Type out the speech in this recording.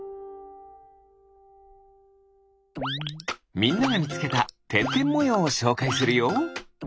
みんながみつけたてんてんもようをしょうかいするよ。